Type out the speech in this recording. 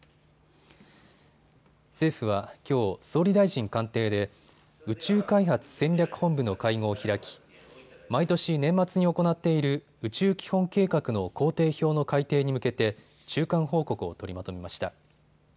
政府はきょう、総理大臣官邸で宇宙開発戦略本部の会合を開き毎年、年末に行っている宇宙基本計画の工程表の改訂に向けて中間報告を取りまとめました。